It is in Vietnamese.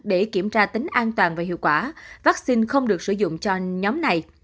để kiểm tra tính an toàn và hiệu quả vaccine không được sử dụng cho nhóm này